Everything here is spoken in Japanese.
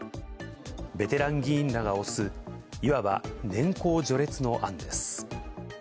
ベテラン議員らが推す、いわば年功序列の案です。